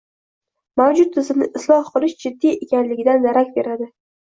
Mavjud tizimni isloh qilish jiddiy ekanidan darak beradi.